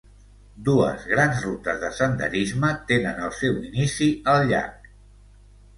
Dues grans rutes de senderisme tenen el seu inici al llac.